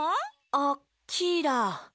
あっキイだ。